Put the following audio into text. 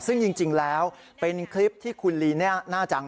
ซึ่งจริงแล้วเป็นคลิปที่คุณลีน่าจัง